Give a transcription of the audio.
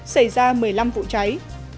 xảy ra một mươi năm vụ cháy